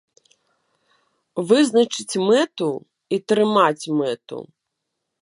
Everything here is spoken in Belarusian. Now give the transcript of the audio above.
Вызначыць мэту і трымаць мэту.